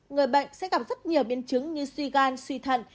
người bệnh sẽ gặp rất nhiều biến chứng như suy gan suy thận